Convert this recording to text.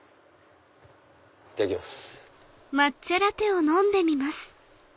いただきます。